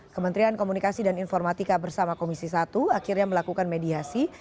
kementerian komunikasi dan informatika bersama komisi satu akhirnya melakukan mediasi